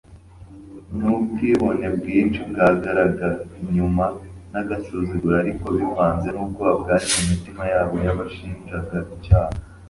Nubwibone bwinshi bwagaragaraga inyuma nagasuzuguro ariko bivanze nubwoba bwari mu mitima yabo yabashinjaga icyaha